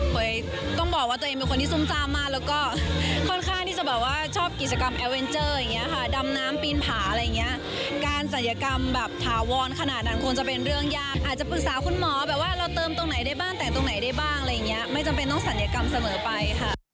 ต้องบอกว่าตัวเองเป็นคนที่ซุ่มซ่ามากแล้วก็ค่อนข้างที่จะแบบว่าชอบกิจกรรมแอร์เวนเจอร์อย่างเงี้ยค่ะดำน้ำปีนผาอะไรอย่างเงี้ยการศัลยกรรมแบบถาวรขนาดนั้นคงจะเป็นเรื่องยากอาจจะปรึกษาคุณหมอแบบว่าเราเติมตรงไหนได้บ้างแต่งตรงไหนได้บ้างอะไรอย่างเงี้ยไม่จำเป็นต้องศัลยกรรมเสมอไปค่ะ